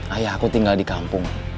ayahku tinggal di kampung